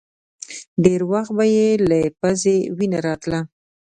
ډېر وخت به يې له پزې وينه راتله.